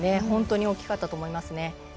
本当に大きかったと思いますね。